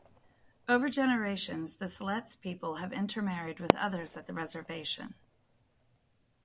Over generations the Siletz people have intermarried with others at the reservation.